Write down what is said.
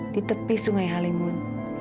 di tepi sungai halimun